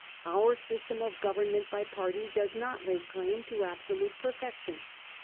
Our system of government by party does not lay claim to absolute perfection.